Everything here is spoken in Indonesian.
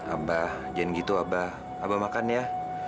abah jangan gitu abah abah makan ya